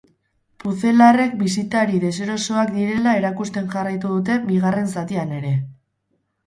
Pucelarrek bisitari deserosoak direla erakusten jarraitu dute bigarren zatian ere.